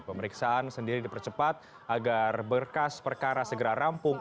pemeriksaan sendiri dipercepat agar berkas perkara segera rampung